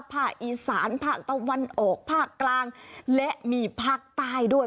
ภาคอีสานภาคตะวันออกภาคกลางและมีภาคใต้ด้วย